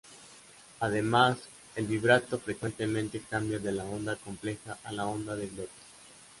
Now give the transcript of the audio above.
Además el "vibrato" frecuentemente cambia de la onda compleja a la onda de glotis.